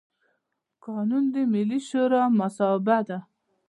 قانون د ملي شورا مصوبه ده.